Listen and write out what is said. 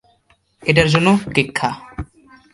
এটার জন্য, কেক খা।